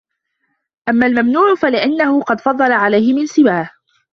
أَمَّا الْمَمْنُوعُ فَلِأَنَّهُ قَدْ فَضَّلَ عَلَيْهِ مَنْ سِوَاهُ